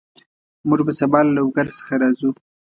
موږ به سبا له لوګر څخه راځو